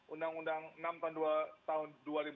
undang undang enam tahun dua ribu dua puluh